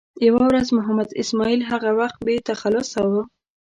یوه ورځ محمد اسماعیل هغه وخت بې تخلصه و.